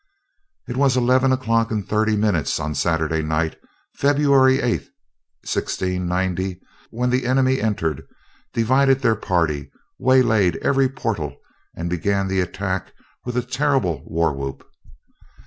It was eleven o'clock and thirty minutes on Saturday night, February 8th, 1690, when the enemy entered, divided their party, waylaid every portal and began the attack with a terrible war whoop.